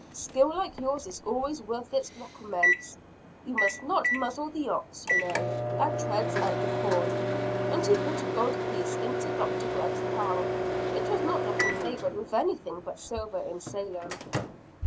Skill like yours is always worth its recompense. We must not muzzle the ox, you know, that treads out the corn." And he put a gold piece into Dr. Grigg's palm which was not often favored with anything but silver in Salem.